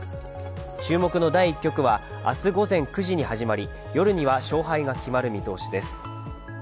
注目の第１局は明日午前９時に始まり夜には勝敗が決まる見通しです。